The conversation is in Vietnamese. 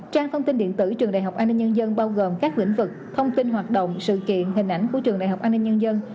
trang thông tin điện tử trường đại học an ninh nhân dân bao gồm các lĩnh vực thông tin hoạt động sự kiện hình ảnh của trường đại học an ninh nhân dân